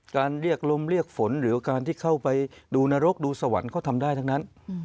เรียกลมเรียกฝนหรือการที่เข้าไปดูนรกดูสวรรค์เขาทำได้ทั้งนั้น